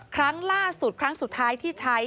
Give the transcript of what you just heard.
ครั้งล่าสุดครั้งสุดท้ายที่ใช้